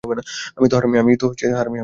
আমি তো হারামি।